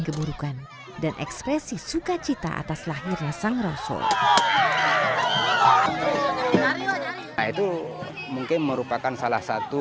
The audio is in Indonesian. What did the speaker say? keburukan dan ekspresi sukacita atas lahirnya sang rasul nah itu mungkin merupakan salah satu